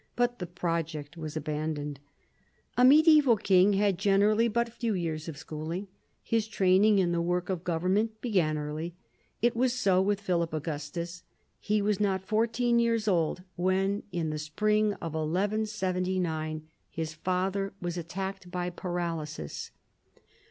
But the project was abandoned. A medieval king had generally but few years of schooling. His training in the work of government began early. It was so with Philip Augustus. He was not fourteen years old when, in the spring of 1179, his father was attacked by paralysis.